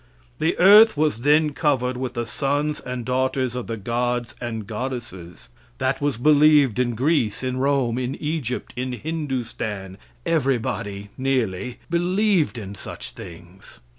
The earth was then covered with the sons and daughters of the gods and goddesses. That was believed in Greece, in Rome, in Egypt, in Hindustan; everybody, nearly, believed in such things.